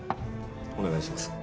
お願いします。